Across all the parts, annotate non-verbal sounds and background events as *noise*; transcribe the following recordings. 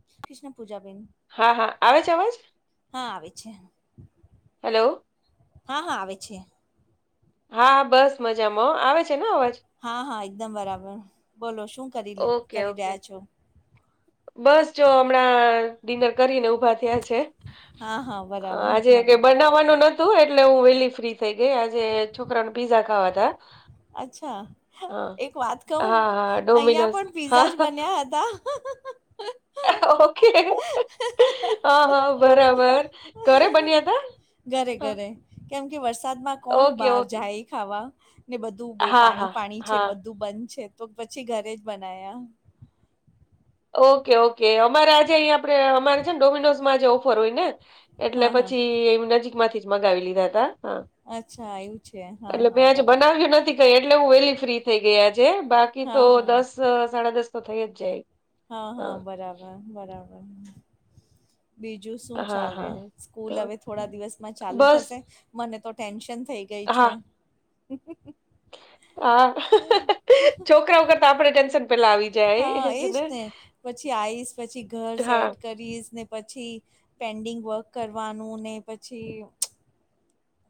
જય શ્રી કૃષ્ણ પૂજાબેન હા, હા, આવે છે અવાજ? હા આવે છે હેલો, હા હા આવે છે હા બસ મજામાં આવે છે ને અવાજ હા હા એકદમ બરાબર બોલો શું કરી ઓકે, કરી ઓકે. રહ્યા છો બસ જો હમણાં ડિનર કરીને ઉભા થયા છે હા હા બરાબર બરાબર ખાવાનું નતું એટલે હું વહેલી ફ્રી થઈ ગઈ આજે છોકરા ન પીઝા ખાવા ત અચ્છા એક વાત કહ હા, હા, અહંયા ડોમિનોઝ. પણ હા, પીઝા જ બન્યા હતા *inaudible* ઓકે હ હા બરાબર ઘરે બન્યા હતા ઘરે ઘરે કેમ કે વરસાદમાં કોણ ઓકે, બાર ઓકે. જાય ખાવા ને બધું બહ હા, પાણી હા, પાણી છે હા. બધું બંધ છે તો પછી ઘરે જ બના્યા ઓકે ઓકે અમારે આજે અહીંયા આપડે અમારે છે ને ડોમિનોઝમાં આજે ઓફર હોય ને એટલે હા હા પછી એમ નજીક માંથી જ મગાવી લીધા હતા હા અચ્છા એવું છે હા એટલે હા મેં આજે બરાબર બનાવ્યું નથી એટલે હું વેલી ફ્રી થઈ ગયા છે બાકી હા તો હા દસ સાડા દસ તો થઈ જ જાય હા હા બરાબર બરાબર બીજું શું હા ચાલે હા તો સ્કૂલ હવે થોડા દિવસમાં ચાલુ બસ થશે મને તો ટેન્શન થઈ ગઈ છે હા હા છોકરાઓ કરતા આપડ ટેન્શન પેલા આવી જાય એજ ને ને પછી આઈસ પછી ઘર હા સેડ કરીશ ને પછી પેન્ડિંગ વર્ક કરવાનું ને પછી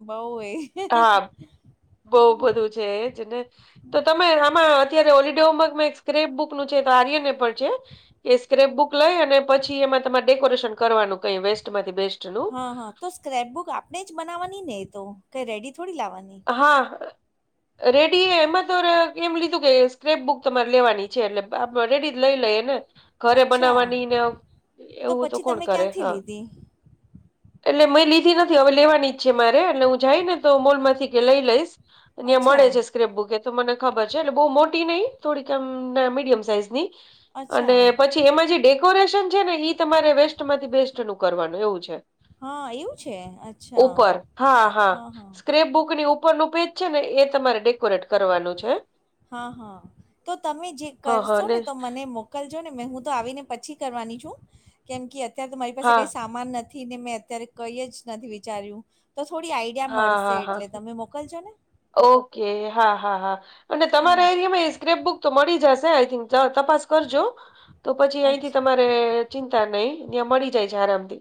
બઉ એ હા બહ બધું છે એ જ ને તો તમે આમાં અત્યારે હોલિડેમાં એક સ્ક્રેપ બુક નું છે આર્યને પણ છે એ સ્ક્રેપ બુક લઈ અને પછી એમાં તમારે ડેકોરેશન કરવાનું કઈ વેસ્ટમાંથી બેસ્ટ હા હા તો સ્ક્રેપ બુક આપણે જ બનાવવાની ને તો કઈ રેડી થોડી લાવવાની હા રેડી એમાં તો એમ લીધું કે સ્ક્રેપ બુક તમારે લેવાની છે એટલે આપ રેડી જ લઈ લઈએ ને ઘરે અચ્છા બનાવવાની ને એવું તો પછી કોણ તમે કરે ક્યાંથી હા લીધી? એટલે મેં લીધી નથી હવે લેવાની ઈચ્ છેે મારે એટલે હું જાય ને તો મોલ માંથી લઈ લઈશ અને્યાં મળે અચ્છા છે સ્કપ બુકે તો મને ખબર છે એટલે બહુ મોટી નહીં થોડીકમ મીડિયમ સાઈઝની અચ્છા અને પછી એમાં જે ડેકોરેશન છે ને એ તમારે વેસ્ટ માંથી બેસ્ટ નું કરવાનું એવું છે. હા એવું છે અચ્છા ઉપર હા હા સ્ક્રેપ બુક ની ઉપરનું પેજ છે ને એ તમારે ડેકોરેટ કરવાનું છે. હા હા તો તમે જે હા હા કરશો ને તો મને મુ લજો ને હું તો આવીને પછી કરવાની છું કેમ કે અત્યારે તો મારી પાસે હા કાંઈ સા માન નથી ને મેં અત્યારે કંઈ જ નથી વિચાર્યું તો થોડી આઈ ક્યાં હા મળશે હા હા. એટલે તમે મોકલજો ને. ઓકે હા હા હા અને તમારા હેને એરીયામા સ્કેપ બુક. તો મળી જશે આઈ થીંક તપાસ કરજો તો પછી અહીથી તમારે ચિંતા નહી ત્યાં મળી જાય છે આરામથી.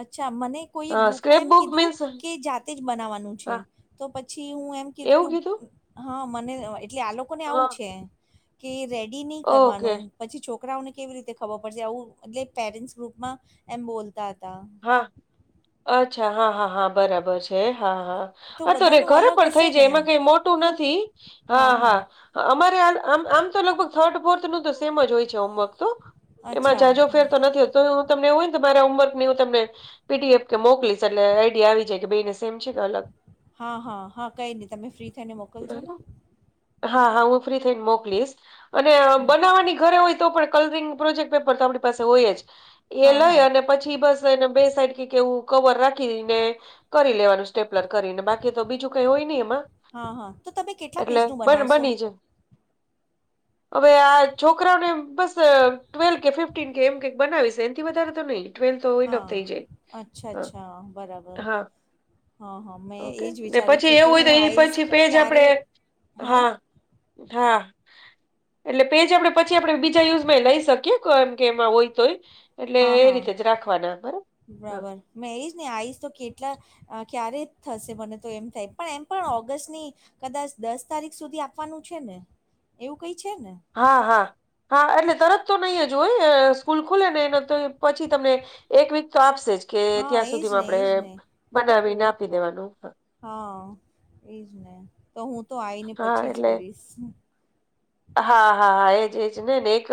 અચ્છા મને કોઈ હા ગ્રુપમાં સ્ક્રેપ એમ બુક કીધું મીન્સ કે જાત જ બનાવાનું છે હા તો પછી હું એમ ક એવું કીધું હા મને એટલે આ લોકોને આવું હા છે કે રેડી નહીં ઓકે કરવાનું પછી છોકરાઓને કેવી રીતે ખબર પડશે આવું એટલે પેરેન્ટ્સ ગ્રુપમાં એમ બોલતા હતા. હા અચ્છા હા હા હા. બરાબર છે હા હા તો હા આતો બધાનું ઘરે અલગ પણ થઈ હશે જાય ને એમાં કઈ મોટું નથી. હા હા અમારે આમ આમ તો લગભગ થર્ડ ફોર્થ નું તો સેમ જ હોય છે હોમવર્ક તો એમાં અચ્છા જાજો હા ફેર તો નથી હોતો તોય હું તમને એવું હોય ને તો મારા હોમવર્ક ની હું તમને પીડીએફ કે મોકલીશ એટલે આઈડી આવી જાય. બેય ને સેમ છે કે અલગ? હા હા હા કંઈ નહીં તમે ફ્રી થઈને મોકલજો ને. હા હા હું ફ્રી થઈને મોકલીશ અને બનાવવાની ઘરે હોય તો પણ કલરીંગ પ્રોજેકટ પેપર તો આપણી પાસે હોય એ હા લય હા અને પછી બસ એને બે સાઈડ કે એવું કવર રાખીને કરી લેવાનું છે. સ્ટેપલર કરીને બાકી તો બીજું કઈ હોય નહી એમાં હા હા તો તમે કેટલા એટલે પેજનું બનાવશો બની જાય *inaudible* હવે આ છોકરાઓને બસ ટ્વેલ કે ફિફ્ટન કે એમ કે બનાવી છે એનાથી વધારે તો નહી. ટ્વેલ તો ઈનફ હા થઈ જાય અચ્છા હા અચ્છા બરાબર હા. હા હા મેં ઓકે એ જ તો વિચારું પછી છું કે એવું હોય હું તો એની આવીશ પછી પેજ ક્યારે આપડે હા. હા એટલે પેજ આપડે પછી આપડે બીજા યુઝમાં લઈ શકીએ. એમ કે એમાં હોય તો હોય એટલે હા એ હા રીતે જ રાખવાના બરાબર મેઈજ ને આઈશ તો કેટલા અ ક્યારે થશે મને તો એમ થાય પણ એમ પણ ઓગસ્ટની કદાચ દસ તારીખ સુધી આપવાનું છે ને એવું કઈ છે ને? હા હા હા એટલે તરત તો નહીં જ હોય સ્કૂલ ખુલે ને એને તો પછી તમને એક વીક તો આપશે જ કે હા ત્યાં એ જ સુધીમાં ને એ આપણેે જ ને બનાવીને આપી દેવાનું હા એજ ને તો હું તો આઈને હા પછી જ એટલે કરીશ. હા હા હા એજ એજ ને ને એક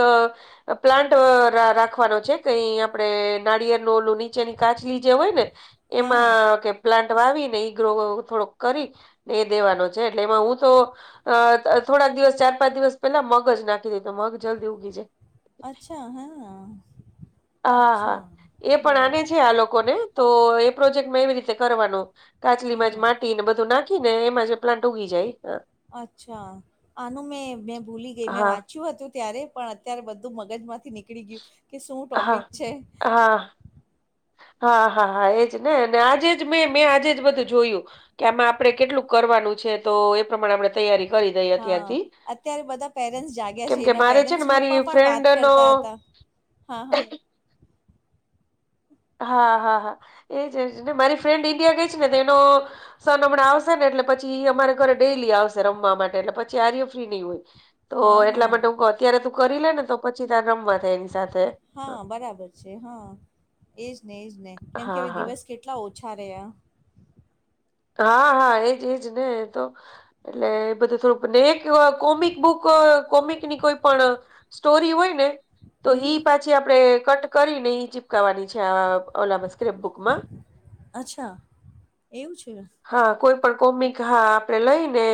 પ્લાન્ટ રાખવાનો છે કઈ આપણે નાળિયેર નુ ઓલું નીચેની કાછલી જે હોય ને હા હા એમાં કે પ્લાન્ટ વાવી ને ઈ ગ્રો થોડોક કરી ને એ દેવાનો છે એટલે એમાં હું તો થોડા દિવસ ચાર પાંચ દિવસ પેલા મગ જ નાખી દે તો મગ જલ્દી ઉગી જાય હા હા. હા હા અચ્છા એ પણ આને બરાબર છે આ લોકોને તો એ પ્રોજેક્ટ મા એવી રીતે કરવાનો. હા કાછલીમાં જ હા માટી ને બધું નાખી ને એમાં જ પ્લાન્ટ ઉગી જાય. અચ્છા આનું મેં મેં ભૂલી ગઈ મેં હા હા વાંચ્યું હતું ત્યારે પણ અત્યારે બધું મગજમાંથી નીકળી ગયું કે શું ટોપિક હા છે. હા હા હા હા એજ ને અને આજે જ મેં મેં આજે જ બધું જોયું. કે આમાં આપડે કેટલું કરવાનું છે તો એ પ્રમાણે આપણે તૈયારી કરી દઈએ હા અત્યારથી અત્યારે બધા પેરેન્ટ્સ જાગે કેમ છે કે એના મારે છે પેરેન્ટ્સ ને મારી ગ્રુપમાં પણ ફ્રેન્ડ વાત નો કરતા હતા. હા હા. હા હા હા એજ ને મારી ફ્રેન્ડ ઈન્ડિયા ગઈ છે ને તેનો સન હમણાં આવશે ને એટલે પછી એ અમારે ઘરે ડેલી આવશે રમવા માટે એટલે પછી આર્ય ફ્રી નહી હોય. તો હા એટલા હા માટે હું કવ અત્યારે તું કરી લે ને તો પછી તાર રમવા થાય એની સાથે. હા બરાબર છે હા એજ ને એજ ને કેમ કે હા હવે હા દિવસ કેટ કેટલા ઓછા રહ્યા. હા હા એજ એજ ને તો એટલે એ બધું થોડું એક કોમિક બુક કોમિકની કોઈ પણ સ્ટોરી હોય ને તો હમ એ હમ. પાછી આપણેે કટ કરી ને ચીપકાવાની છે આ ઓલા સ્ક્રેપ બુક માં અચ્છા એવું છે હા કોઈ પણ કોમિક હા આપડે લઈ ને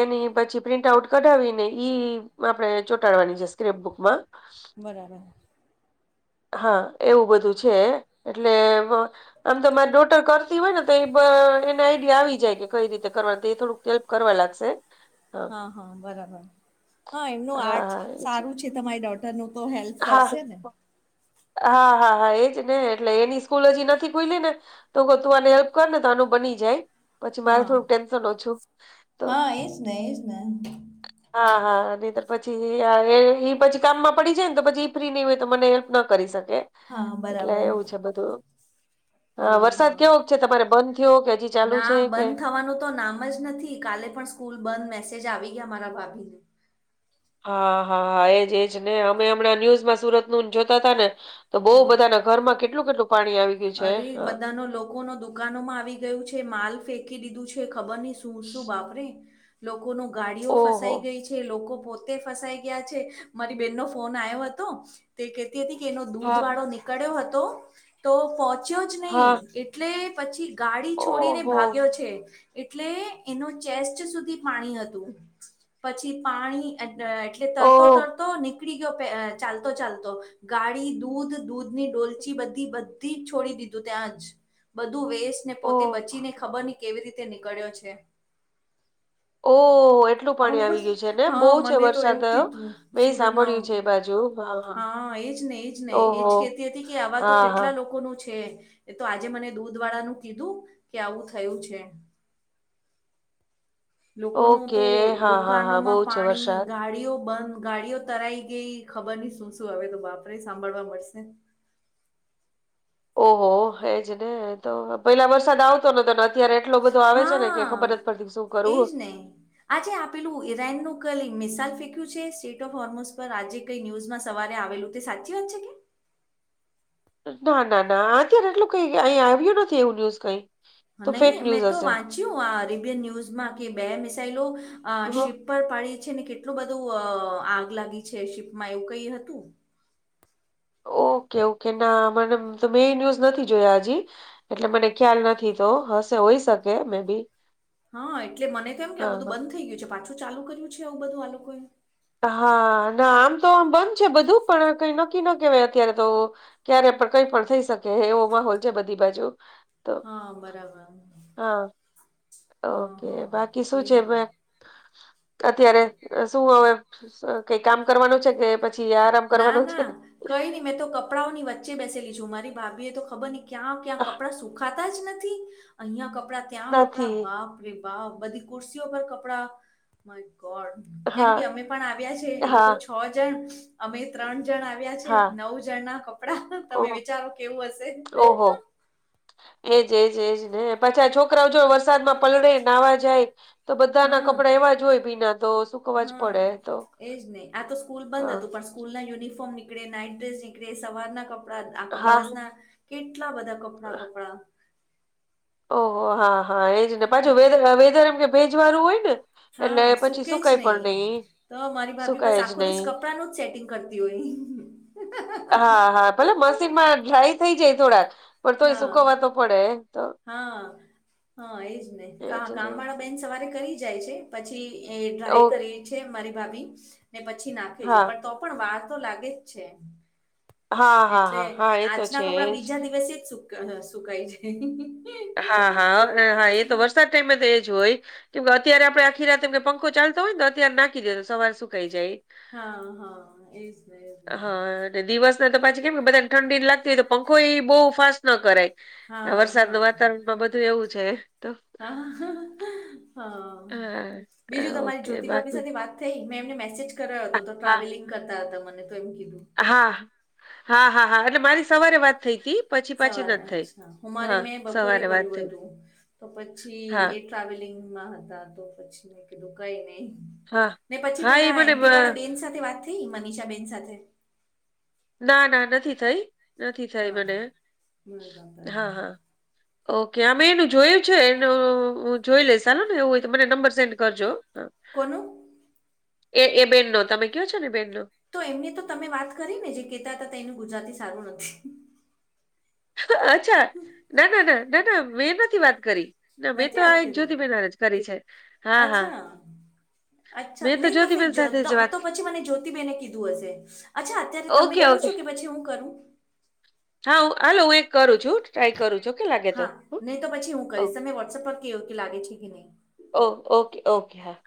એની પછી પ્રિન્ટ આઉટ કરાવીને ઈ આપણે ચોંટાડવાની છે સ્ક્રેપ બુકમાં બરાબર હા એવું બધું છે એટલે આમ તો મારી ડોટર કરતી હોય ને તો આઈડિયા આવી જાય કે કઈ રીતે કરવા તો એ થોડુંક હેલ્પ કરવા લાગશે હા હા બરાબર હા એમનું આર્ટ હા એજ સારું છે તમારી ડોટ ટર નુ તો હેલ્પ હા કરશે ને. હા હા હા એજ ને એટલે એની સ્કૂલ હજી નથી ખુઈલી ને તો તું આને હેલ્પ કર ને તો આનું બની જાય પછી મારે હા થોડું ટેન્શન ઓછું તો હા એ જ ને એ જ ને હા હા અને પછી એ આ એ પછી કામમાં પડી જાય ને તો પછી એ ફ્રી નહી હોય તો મને હેલ્પ ના કરી શકે. હા એટલે બરાબર એવું છે બધું હા વરસાદ હા કેવોક છે તમારે બંધ થયો કે હજી ચાલુ ના છે કે બંધ થવાનું તો નામ જ નથી કાલે પણ સ્કૂલ બંધ મેસેજ આવી ગયા મારા ભાભી હા હા હા એજ એજ ને અમે હમણાં ન્યુઝમાં સુરત નું જોતા હતા ને તો બહુ હા બધાને ઘરમાં કેટલું કેટલું પાણી આવી ગયું છે અરે હા બધા નો લોકો ના દુકાનો માં આવી ગયું છે માલ ફેંકી દીધું છે. ખબર નહીં શું શું બાપરે લોકો નો ગાડીઓ ઓહો ફસાઈ ગઈ છે લોકો પો ફસાઈ ગયા છે મારી બેન ન ફોન આવ્યો હતો તે કેતી હતી કે એનો દૂધ હા વાળો ની કડ્યો હતો તો પહોંચ્યો જ હા નહીં એટલે પછી ગાડી છોડીને ઓહો ભાગ્યો છે. એટલે એનું ચેસ્ટ સુધી પાણી હતું પછી પાણી એટલે તરતો ઓહ તરતો ની કડી ગયો ચાલતો ચાલતો ગાડી દૂધ દૂધ ની ડોલચી બધી બ ધી છોડી દીધું ત્યાં જ બધું વેસ્ટ ને પોતે ઓહ બચીને ખબર ની કેવી રીતે નીકળ્યો છે. ઓ એટલું પાણી આવું બસ આવી ગયું છે ને બહુ હા છે મને તો વરસાદ એવું થયો કીધું મેં એ સુરતમાં સાંભળ્યું છે એ બાજુ હા એજ ને એજ ને એજ ઓહો કેતી હતી કે આવા તો હા હા કેટલા લોકોનું છે. એ તો આજે મને દૂધ વાળાનુ કીધું કે આવું થયું છે. લોકોનું ઓકે તો હા હા હા બહુ દુકાનોમાં છે પાણી વરસાદ ગાડીઓ બંધ ગાડીઓ તરાઈ ગઈ ખબર નહી શું શું હવેતો બાપરે સાંભળવા મળશે ઓહો એજ ને તો પેલા વરસાદ આવતો નતો ન અ ત્યારે એટલો બધો આવે છે ને કે ખબર હા જ પડતી શું કરું. એજ ને. આજે આપેલું ઈરાન નું કઈ મિસઇલ ફેક્યું છે સ્ટેટ ઓફ હોર્મોસ પર આજે કઈ ન્યૂુઝમાં સવારે આવેલું એ સાચી વાત છે કે? ના ના ના અત્યારે એટલું કઈ અહી આવ્યું નથી એવું ન્યૂઝ કઈ. તો ફેક નહીં મેં ન્યૂઝ તો હશે વાંચ્યું આ અરેબિયન ન્યૂઝમાં કે બે મિસાઇલો શીપ પર પાડી છે ને કેટલું બધું આગ લાગી છે શીપમાં એવું કઈ હતું ઓકે ઓકે ના મને તો મે ન્યુઝ નથી જોયા હજી. એટલે મને ખ્યાલ નથી તો હશે હોય શકે મે બી હા એટલે મને તો એમ કે આ હા, બધું હા. બંધ થઈ ગયુ, છે પાછું ચાલુ કર્યું છે આવું બધું આ લોકોએ હા ના આમ તો આમ બંધ છે, બધું પણ કઈ નક્કી ન કેવાય અત્યારે તો ક્યારે પણ કઈ પણ થઈ શકે એવો માહોલ છે બધી બાજુ તો હા બરાબર હા હા ઓકે હા બાકી શું છે. એજ ને અત્યારે શું હવે. કઈ કામ કરવાનું છે કે પછી આરામ ના કરવાનું છે. ના કઈ નહી મેં તો કપડાંઓની વચ્ચે બેસેલી છું મારી ભાભી તો ખબર હી ક્યાં ક્યાં આહ, કપડા સુખા જ નથી અહિયાં કપડા ત્યાં કપડા નથી. બાપ ર વા બધી કુર્સીઓ પર કપડા ગ કેમ હા, કે અમે પણ આવ્યા એ લોકો હા, છ જણ અમે ત્રણ જણ આવે આવ્યા છે હા. નવ જણ ના કપડા ઓ તમે વિચારો કેવું હશે. ઓહો! એજ એજ એજ ને પાછા છોકરાઓ જો વરસાદમાં પલળે નાહવા જાય. તો બધા ના હા કપડા એવા જ હોય ભીના તો સુકવા જ હા પડે તો એજ નહીિ આ તો સ્કૂલ બંધ હા હતુ, પણ સ્કૂલ ના યુનિફોર્મ નીકળે નાઈટ ડ્રેસ નીકળે સવારના કપડા આ હા દિવસના કેટલા બધા કપડાં કપડા ઓહ હા હા એજ ને પાછું વેધ વેધર એમ કે ભેજ વાળું હોય ને એટલે હા પછી સુકે જ સુકાય નહી પણ તો મારી ભાભી બસ સુકાય જ આખો દસ નહી કપ આપનું જ સેટિંગ કરતી હોય. હા હા ભલે મશીનમાં ડ્રાય થઈ જાય થોડાક પણ તોય હા સુકવવા તો પડે તો હા હા એજ નહી, એજ ને કામળ બેન સવારે કરી જાય છે પછી એ ઓ ડ્રાય કરી છે મારી ભાભી ને પછી નાખે છે હા પણ તો પણ વાર તો લાગે જ છે. હા હા એટલે હા હા એ તો આજના છે કપડા એજ બીજા દિવસે જ સુકાય જાય. હા હા હા એ તો વરસાદ ટાઈમે તો એ જ હોય. કેમકે અત્યારે આપડે આખી રાતમને પંખો ચાલતો હોય ને અત્યારે નાખી દે તો સવાર સુકાઈ જાય. હા હા એજ એજ દિવસ નાને તો પાછી કેમ કે બધાને ઠડી લાગતી હોય, તો પંખો એ બહુ ફાસ્ટ ન કરાય આ હા વરસાદ ન વાતાવરણમાં બધુ એવુ છે, તો હ હા હા બીજું તમારી ઓકે જ્યોતિભાભી બાકી સાથે વાત મેં એમને મેસેજ કર્યો હતો, હા તો હા ટ્રાવેલિંગ કરતા હતા મને તો એમ કીધુ હા હા હા હા અનેટ મારી સવારે વાત થઈ ગ સવારે્છા હુ, મારે મેં બપોરે સવારે વાત કર્યું થઈ હતું તો હા પછી ટ્રાવેલિંગ માં હતા તો પછી દુખાય નહી હા ને પછી હા એ પેલા મને એમી વાળા બ- બેન સાથે વાત થઈ મનીષા બેન સાથે ના ના નથી થઈ નથી થઈ, હા. મને હા બરાબર. હા ઓકે અમે એનું જોયું છે, એનુ જોઈ લઈશ ચાલો ને એવું હોય તો મને નંબર સેન્ડ કરજો હ કોનું એ એ બેનનોો તમે કયો છો, ને બેનનો તો એમને તો તમે વાત કરી ને જે કહેતા હતા એનું ગુજરાતી સારુ નથી અચ્છા ના ના ના ના ના મેં નથી વાત કરી ના મેં તો નથી વાત આ એક જ્યોતિ કરી બહેનારે જ કરી છે, હા હા અચ્છા અચ્છા મેં તો જ્યોતિબેન નહી, સાથે તો જ વાત તો પછી મને જ્યોતિબેને કીધું હશે અચ્છા અત્યારે તમે ઓકે કરો ઓકે છો, કે પછી હુ કરુ હા હું હાલો હુ, એક કરુ છુ. હા નહી તો પછી હું ઓ કરીશ તમે વોટ્સઅપ પર કેો કે લાગે છે, કે નહી ઓ ઓકે ઓકે હા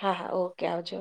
હા હા ઓકે આવજો